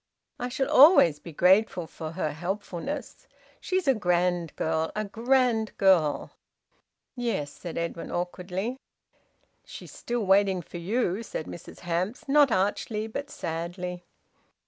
"I shall always be grateful for her helpfulness! She's a grand girl, a grand girl!" "Yes," said Edwin awkwardly. "She's still waiting for you," said Mrs Hamps, not archly, but sadly.